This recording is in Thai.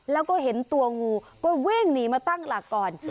แล้วก็เห็นตัวงูก็วิ่งหนีมาตั้งหลักก่อน